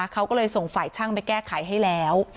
เขาก็เลยส่งฝ่ายช่างไปแก้ไขให้แล้ว